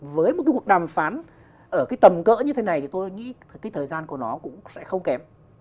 với một cái cuộc đàm phán ở cái tầm cỡ như thế này thì tôi nghĩ cái thời gian của nó cũng sẽ không kém